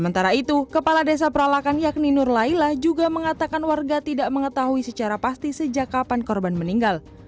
sementara itu kepala desa peralakan yakni nur laila juga mengatakan warga tidak mengetahui secara pasti sejak kapan korban meninggal